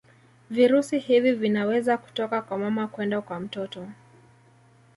virusi hivi vinaweza kutoka kwa mama kwenda kwa mtoto